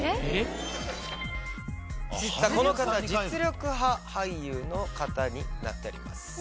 この方実力派俳優の方になっております。